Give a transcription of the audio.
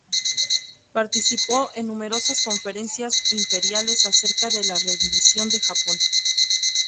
Participó en numerosas conferencias imperiales acerca de la rendición de Japón.